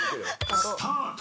スタート！